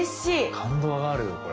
感動があるよこれ。